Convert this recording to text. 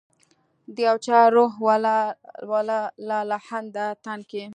د یو چا روح و لا لهانده تن کي